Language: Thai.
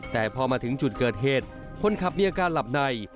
แต่พอมาถึงจุดเกิดเหตุคนขับมีอาการหลับใน